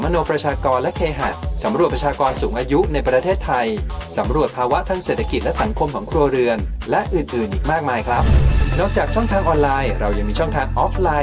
นอกจากช่องทางออนไลน์เรายังมีช่องทางออฟไลน์